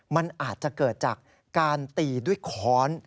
มันอาจจะเกิดจากการตีด้วยค้อน